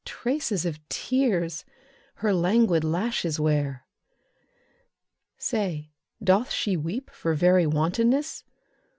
Traces of tears her languid lashes wear. Say, doth she weep for very wantonness?